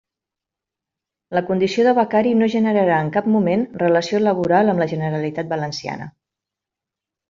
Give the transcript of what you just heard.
La condició de becari no generarà en cap moment relació laboral amb la Generalitat Valenciana.